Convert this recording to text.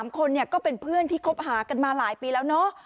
๓คนก็เป็นเพื่อนที่คบหากันมาหลายปีแล้วเนาะ